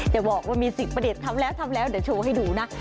อย่าบอกว่ามีสิ่งประเด็นทำแล้วเดี๋ยวโชว์ให้ดูนะ